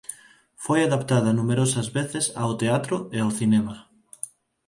Foi adaptada numerosas veces ao teatro e ao cinema.